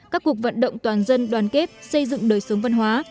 các cuộc vận động toàn dân đoàn kết xây dựng đời sống văn hóa